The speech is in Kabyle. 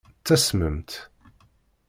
Ttasment.